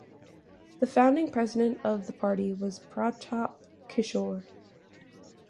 The founding president of the party was Pratap Kishore.